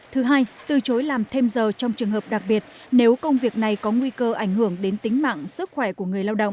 thứ hai từ chối làm thêm giờ trong trường hợp đặc biệt nếu công việc này có nguy cơ ảnh hưởng đến tính mạng sức khỏe của người lao động